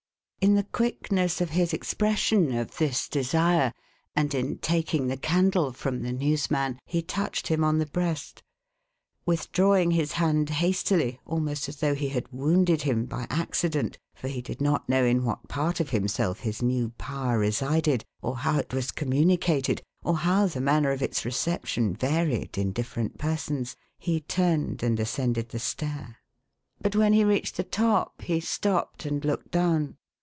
11 In the quickness of his expression of this desire, and in taking the candle from the newsman, he touched him on the breast. Withdrawing his hand hastily, almost as though he had wounded him by accident (for he did not know in what part of himself his new power resided, or how it was communicated, or how the manner of its reception varied in different persons), he turned and ascended the stair. But when he reached the top, he stopped and looked down.